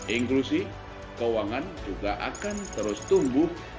inklusi keuangan juga akan terus tumbuh